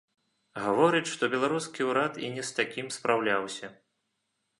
Гаворыць, што беларускі ўрад і не з такім спраўляўся.